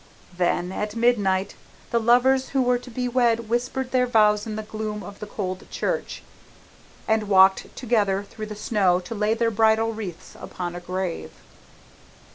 Then at midnight the lovers who were to wed whispered their vows in the gloom of the cold church, and walked together through the snow to lay their bridal wreaths upon a grave.